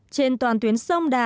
trên toàn tuyến sông đà